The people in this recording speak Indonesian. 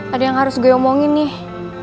ada yang harus gue omongin nih